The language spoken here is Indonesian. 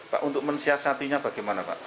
pak untuk mensiasatinya bagaimana pak